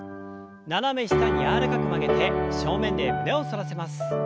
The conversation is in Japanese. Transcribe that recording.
斜め下に柔らかく曲げて正面で胸を反らせます。